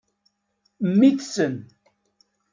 Mmi-tsen.